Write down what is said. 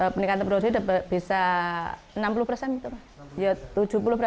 peningkatan produksi bisa enam puluh gitu